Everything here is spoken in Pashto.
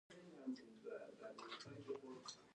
دا مېوه د معدې د ستونزو درملنه کوي.